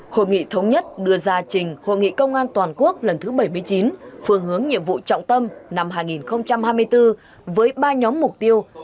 hội nghị thống nhất đưa ra trình hội nghị công an toàn quốc lần thứ bảy mươi chín phương hướng nhiệm vụ trọng tâm năm hai nghìn hai mươi bốn với ba nhóm mục tiêu